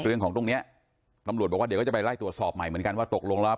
ตรงเนี้ยตำรวจบอกว่าเดี๋ยวก็จะไปไล่ตรวจสอบใหม่เหมือนกันว่าตกลงแล้ว